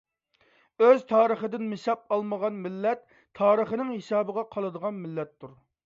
ئۆز تارىخىدىن ھېساب ئالمىغان مىللەت تارىخنىڭ ھېسابىغا قالىدىغان مىللەتتۇر.